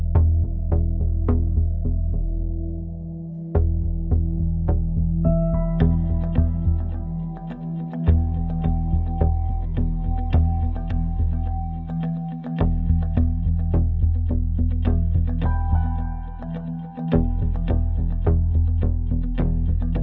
อย่างนี้ลูกหนูจะมาเสียโดยที่หลายเหตุอะไรก็ไม่รู้อะ